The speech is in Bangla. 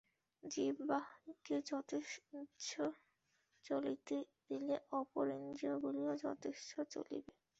জিহ্বাকে যথেচ্ছ চলিতে দিলে অপর ইন্দ্রিয়গুলিও যথেচ্ছ চলিবে।